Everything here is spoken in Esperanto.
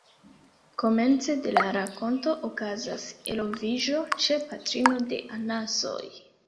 Komence de la rakonto, okazas eloviĝo ĉe patrino de anasoj.